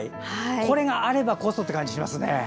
これがあればこそって感じがしますね。